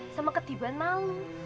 sama ketiban malu